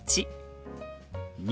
「２」。